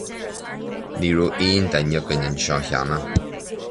Ní raibh aon duine againn anseo cheana.